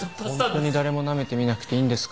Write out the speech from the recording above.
ホントに誰もなめてみなくていいんですか？